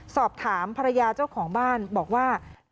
สอบถามภรรยาเจ้าของบ้านบอกว่า